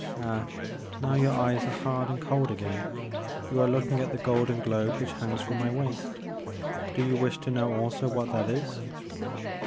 Ah, now your eyes are hard and cold again ; you are looking at the golden globe which hangs from my waist. Do you wish to know also what that is?"